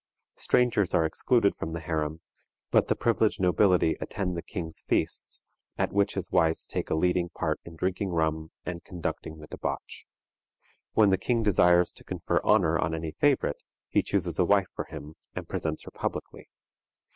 Strangers are excluded from the harem, but the privileged nobility attend the king's feasts, at which his wives take a leading part in drinking rum and conducting the debauch. When the king desires to confer honor on any favorite, he chooses a wife for him, and presents her publicly.